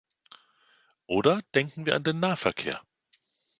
Oder denken wir an den Nahverkehr.